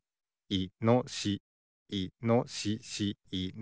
いのしし。